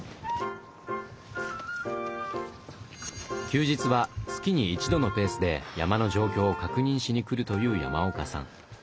休日は月に一度のペースで山の状況を確認しに来るという山岡さん。